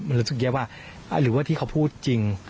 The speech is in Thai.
มันรู้สึกแย่ว่าหรือว่าที่เขาพูดจริง